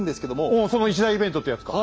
おおその一大イベントっていうやつか。